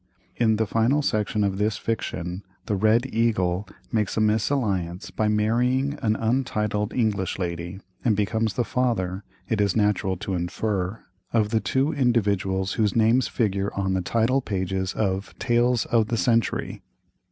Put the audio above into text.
In the final section of this fiction, the "Red Eagle" makes a misalliance by marrying an untitled English lady, and becomes the father, it is natural to infer, of the two individuals whose names figure on the title page of Tales of the Century.